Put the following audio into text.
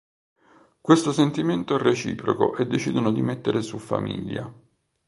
Questo sentimento è reciproco e decidono di mettere su famiglia.